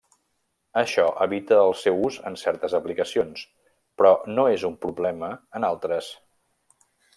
Això evita el seu ús en certes aplicacions, però no és un problema en altres.